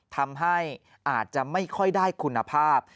ทำให้อาจจะไม่ค่อยได้คุณภาพ